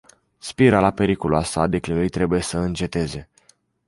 Spirala periculoasă a declinului trebuie să înceteze.